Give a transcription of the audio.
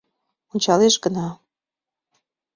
Ончалеш гына.